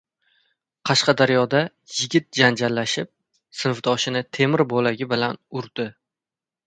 Qashqadaryoda yigit janjallashib, sinfdoshini temir bo‘lagi bilan urdi